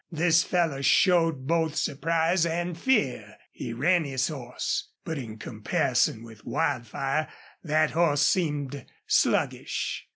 This fellow showed both surprise and fear. He ran his horse. But in comparison with Wildfire that horse seemed sluggish.